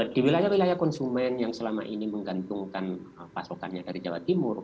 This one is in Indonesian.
di wilayah wilayah konsumen yang selama ini menggantungkan pasokannya dari jawa timur